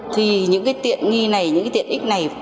thì những cái tiện nghi này những cái tiện ích này